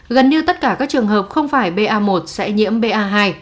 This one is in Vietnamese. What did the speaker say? gần như tất cả các trường hợp không phải ba một sẽ nhiễm ba hai